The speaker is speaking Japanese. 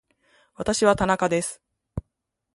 私は田中です